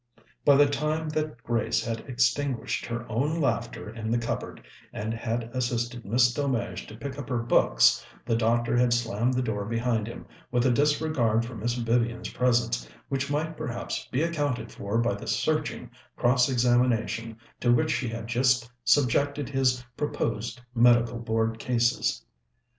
By the time that Grace had extinguished her own laughter in the cupboard, and had assisted Miss Delmege to pick up her books, the Doctor had slammed the door behind him, with a disregard for Miss Vivian's presence which might perhaps be accounted for by the searching cross examination to which she had just subjected his proposed Medical Board cases.